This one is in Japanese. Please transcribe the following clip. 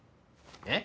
えっ⁉